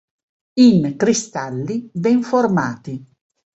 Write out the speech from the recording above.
In cristalli ben formati.